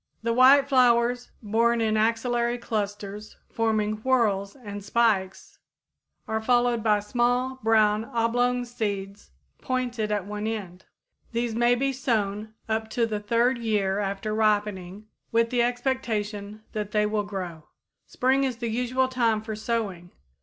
The white flowers, borne in axillary clusters forming whorls and spikes, are followed by small, brown, oblong seeds pointed at one end. These may be sown up to the third year after ripening with the expectation that they will grow. Spring is the usual time for sowing.